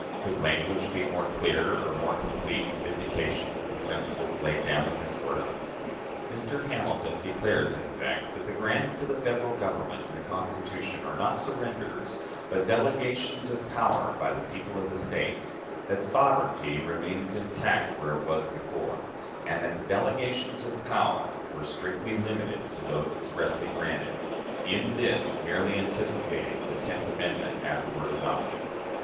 " Could language be more clear or more complete in vindication of the principles laid down in this work? Mr. Hamilton declares, in effect, that the grants to the Federal Government in the Constitution are not surrenders, but delegations of power by the people of the States; that sovereignty remains intact where it was before; and that the delegations of power were strictly limited to those expressly granted in this, merely anticipating the tenth amendment, afterward adopted.